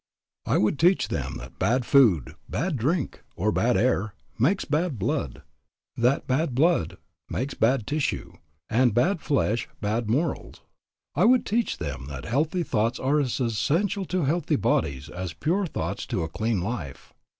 I would teach them that bad food, bad drink, or bad air makes bad blood; that bad blood makes bad tissue, and bad flesh bad morals. I would teach them that healthy thoughts are as essential to healthy bodies as pure thoughts to a clean life.